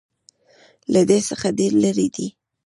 له ده څخه ډېر لرې دي.